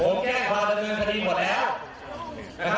ผมแก้ความระเงินทีหมดแล้ว